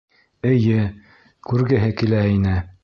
Эйе, күргеһе килә ине.